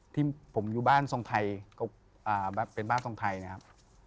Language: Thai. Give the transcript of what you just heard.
ที่ผมอยู่บ้านทรงไทยเป็นบ้านทรงไทยนะครับ